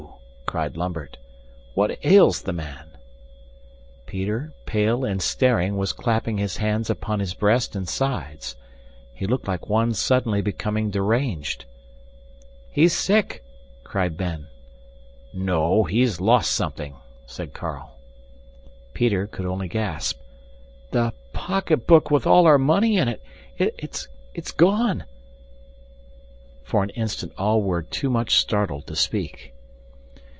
cried Lambert. "What ails the man?" Peter, pale and staring, was clapping his hands upon his breast and sides. He looked like one suddenly becoming deranged. "He's sick!" cried Ben. "No, he's lost something," said Carl. Peter could only gasp, "The pocketbook with all our money in it it's gone!" For an instant all were too much startled to speak.